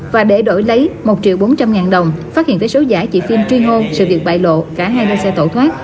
và để đổi lấy một triệu bốn trăm linh ngàn đồng phát hiện vé số giả chị phim truyên hôn sự việc bại lộ cả hai dừng xe tẩu thoát